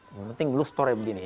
yang penting lu store begini